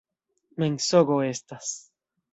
Mensogo estas!